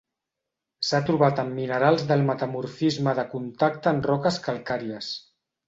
S'ha trobat en minerals del metamorfisme de contacte en roques calcàries.